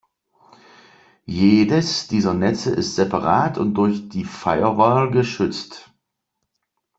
Jedes dieser Netze ist separat und durch die Firewall geschützt.